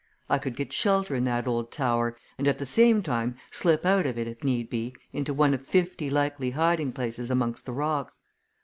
I could get shelter in that old tower, and at the same time slip out of it if need be into one of fifty likely hiding places amongst the rocks.